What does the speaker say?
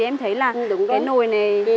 vì em thấy là cái nồi này